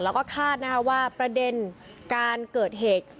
แล้วก็คาดนะคะว่าประเด็นการเกิดเหตุ